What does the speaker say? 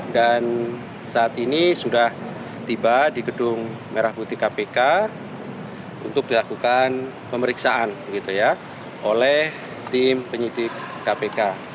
dan saat ini sudah tiba di gedung merah putih kpk untuk dilakukan pemeriksaan oleh tim penyelidik kpk